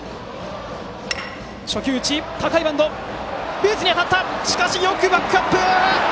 ベースに当たったがよくバックアップ！